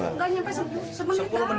gak nyampe semenit semenit